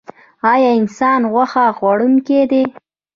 ایا انسان غوښه خوړونکی دی؟